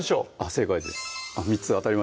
正解です